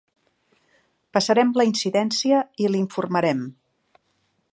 Passarem la incidència i l'informarem.